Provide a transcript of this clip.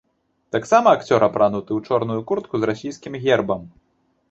Таксама акцёр апрануты ў чорную куртку з расійскім гербам.